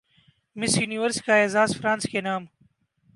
مس Universe کا اعزاز France کے نام